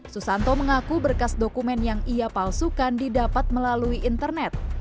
susanto mengaku berkas dokumen yang ia palsukan didapat melalui internet